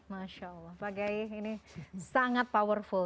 masya allah pak gai ini sangat powerful